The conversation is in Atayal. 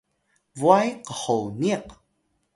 bway qhoniq